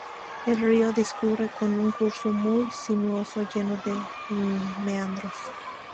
El río discurre con un curso muy sinuoso, lleno de meandros.